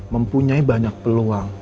mempunyai banyak peluang